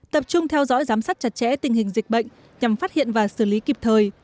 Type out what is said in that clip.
tập trung theo dõi giám sát chặt chẽ tình hình dịch bệnh nhằm phát hiện và xử lý kịp thời